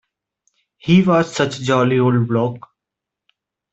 He was such a jolly old bloke.